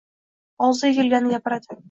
Og‘ziga kelganini gapiradi...